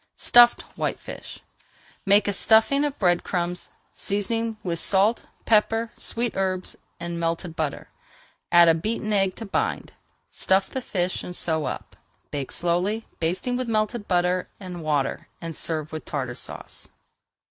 STUFFED WHITEFISH Make a stuffing of bread crumbs, seasoning with salt, pepper, sweet herbs, and melted butter. Add a beaten egg to bind, stuff the fish, and sew up. Bake slowly, basting with melted butter and water, and serve with Tartar Sauce.